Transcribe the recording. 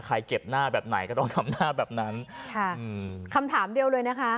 เก็บหน้าแบบไหนก็ต้องทำหน้าแบบนั้นค่ะอืมคำถามเดียวเลยนะคะ